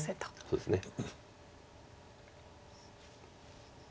そうですね。